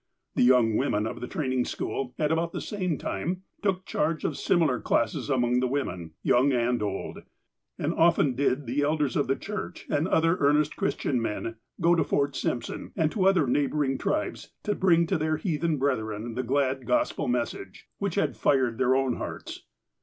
The young women of the training school, at about the same time, took charge of similar classes among the women, young and old, and often did the elders of the church, and other earnest Christian men, go to Fort Simj)Son, and to other neigh bouring tribes to bring to their heathen brethren the glad Gospel message, which had fired their own hearts.